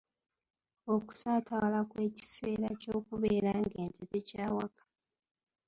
Okusaatawala okw’ekiseera ky’okubeera ng’ente tekyawaka.